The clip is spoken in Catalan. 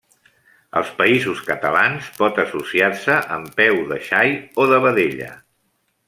Als Països catalans pot associar-se amb peu de xai o de vedella.